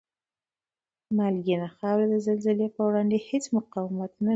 مالګینې خاورې د زلزلې په وړاندې هېڅ مقاومت نلري؟